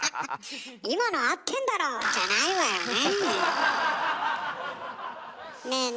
「今の合ってんだろ！」じゃないわよね。